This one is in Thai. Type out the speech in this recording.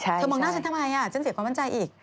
เธอมองหน้าฉันทำไมฉันเสียความมั่นใจอีก